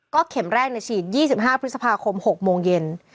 เข็มแรกฉีด๒๕พฤษภาคม๖โมงเย็น